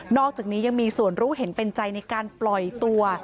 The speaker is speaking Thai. อกจากนี้ยังมีส่วนรู้เห็นเป็นใจในการปล่อยตัว